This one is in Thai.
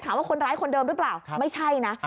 ถามว่าคนร้ายคนเดิมรึเปล่าไม่ใช่นะ